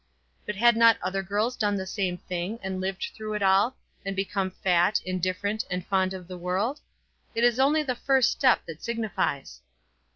But had not other girls done the same thing, and lived through it all, and become fat, indifferent, and fond of the world? It is only the first step that signifies.